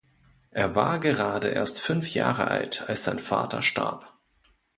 Er war gerade erst fünf Jahre alt, als sein Vater starb.